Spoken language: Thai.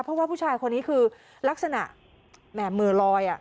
เพราะว่าผู้ชายคนนี้คือลักษณะแหม่เหมือลอย